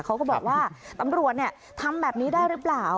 เขาก็บอกว่าตำรวจทำแบบนี้ได้หรือเปล่า